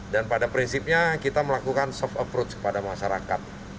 dan pada prinsipnya kita melakukan soft approach kepada masyarakat